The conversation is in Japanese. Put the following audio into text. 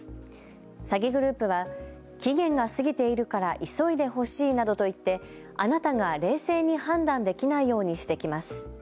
詐欺グループは期限が過ぎているから急いでほしいなどと言ってあなたが冷静に判断できないようにしてきます。